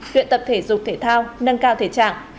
luyện tập thể dục thể thao nâng cao thể trạng